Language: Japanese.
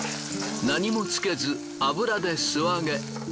何もつけず油で素揚げ。